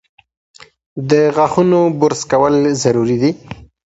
د غاښونو برس کول ضروري دي۔